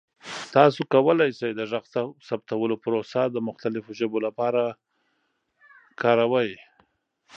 تاسو کولی شئ د غږ ثبتولو پروسه د مختلفو ژبو لپاره کاروئ.